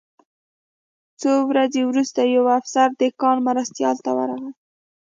څو ورځې وروسته یو افسر د کان مرستیال ته ورغی